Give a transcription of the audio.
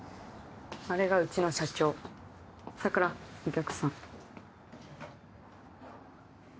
あれがうちの社長桜お客さん